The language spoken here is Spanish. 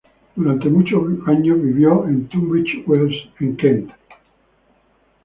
Durante muchos años vivió en Tunbridge Wells, en Kent.